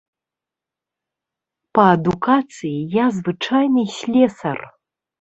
Па адукацыі я звычайны слесар.